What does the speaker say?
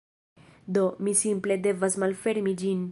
Do, mi simple devas malfermi ĝin